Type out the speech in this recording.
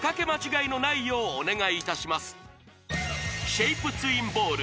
シェイプツインボール